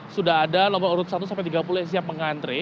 sudah ada nomor urut satu sampai tiga puluh yang siap mengantre